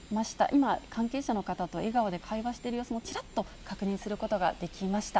今、関係者の方と笑顔で会話している様子も、ちらっと確認することができました。